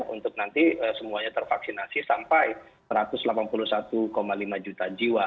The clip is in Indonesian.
untuk nanti semuanya tervaksinasi sampai satu ratus delapan puluh satu lima juta jiwa